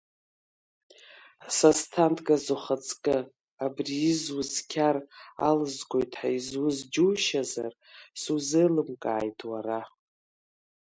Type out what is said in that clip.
Сасҭангаз, ухаҵкы, абри изуз қьар алызгоит ҳәа изуз џьушьазар, сузеилымкааит уара!